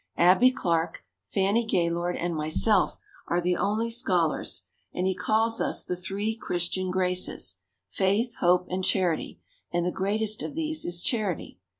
Abbie Clark, Fannie Gaylord and myself are the only scholars, and he calls us the three Christian Graces, faith, hope and charity, and the greatest of these is charity.